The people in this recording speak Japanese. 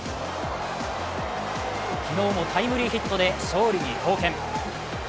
昨日もタイムリーヒットで勝利に貢献。